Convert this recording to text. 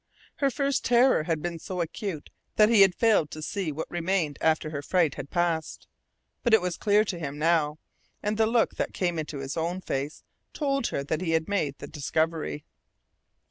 Her first terror had been so acute that he had failed to see what remained after her fright had passed. But it was clear to him now, and the look that came into his own face told her that he had made the discovery.